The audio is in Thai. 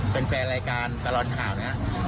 แฟนรายการตลอดข่าวนะครับ